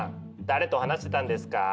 誰と話してたんですか？